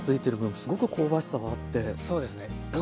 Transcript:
すごく香ばしさがあって。